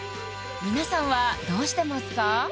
皆さんはどうしてますか？